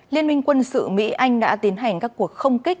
liên minh quân sự mỹ anh đã tiến hành các cuộc không kích